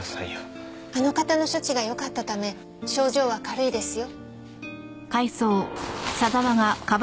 あの方の処置がよかったため症状は軽いですよ。